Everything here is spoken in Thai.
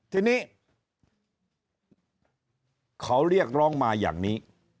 ทีนี้เขาเรียกร้องมาอย่างนี้